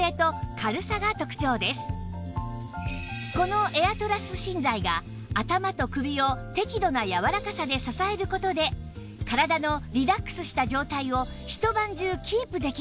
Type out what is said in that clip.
このエアトラス芯材が頭と首を適度な柔らかさで支える事で体のリラックスした状態をひと晩中キープできるんです